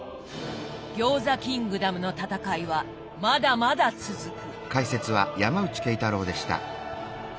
餃子キングダムの戦いはまだまだ続く。